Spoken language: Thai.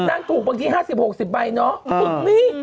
นางถูกบางที๕๐๖๐ใบเนาะถูกนี้